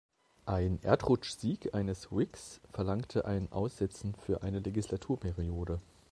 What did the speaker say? Ein Erdrutschsieg eines Whigs verlangte ein Aussetzen für eine Legislaturperiode.